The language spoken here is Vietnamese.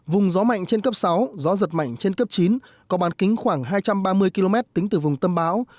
vùng gió mạnh trên cấp sáu gió giật mạnh trên cấp chín có bàn kính khoảng hai trăm ba mươi km tính từ vùng tâm bão